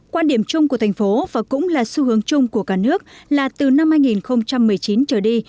quan điểm chung của thành phố và cũng là xu hướng chung của cả nước là từ năm hai nghìn một mươi chín trở đi